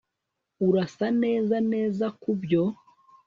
Urasa neza neza kubyo